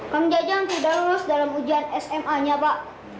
kang jajang tidak lulus dalam ujian sma nya pak